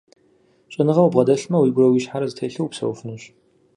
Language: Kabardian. ЩӀэныгъэ убгъэдэлъмэ, уигурэ уи щхьэрэ зэтелъу упсэуфынущ.